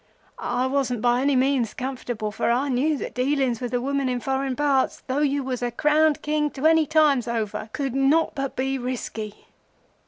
I wasn't any means comfortable, for I knew that dealings with a woman in foreign parts, though you was a crowned King twenty times over, could not but be risky.